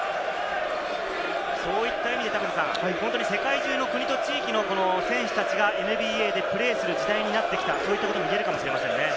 そういった意味で世界中の国と地域の選手たちがＮＢＡでプレーする時代になってきた、そういうことも言えるかもしれませんね。